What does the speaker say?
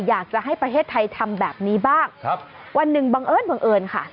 อยากจะให้ประเทศไทยทำแบบนี้บ้างวันหนึ่งบังเอิญค่ะ